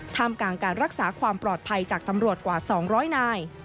ท่ามกลางการรักษาความปลอดภัยจากตำรวจกว่า๒๐๐นาย